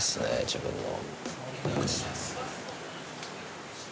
自分の。